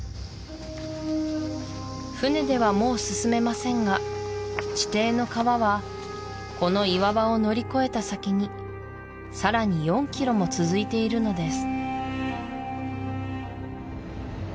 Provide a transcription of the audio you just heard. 船ではもう進めませんが地底の川はこの岩場を乗り越えた先にさらに４ｋｍも続いているのです